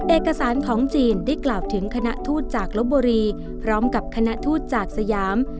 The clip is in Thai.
เอกสารของจีนได้กล่าวถึงคณะทูตจากลบบุรีพร้อมกับคณะทูตจากสยาม